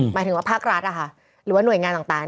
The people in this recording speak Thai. หมายถึงว่าภาครัฐหรือว่าหน่วยงานต่าง